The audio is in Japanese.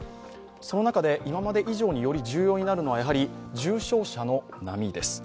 その中で今まで以上により重要になるのは重症者の波です。